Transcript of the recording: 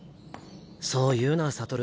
そう言うな悟。